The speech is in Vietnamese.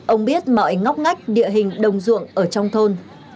ông biết mọi ngóc ngách địa hình đồng ruộng ở trong thôn